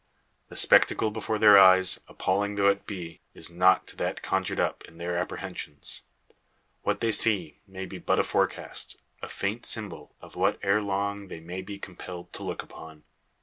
The spectacle before their eyes, appalling though it be, is nought to that conjured up in their apprehensions. What they see may be but a forecast, a faint symbol, of what ere long they may be compelled to look upon.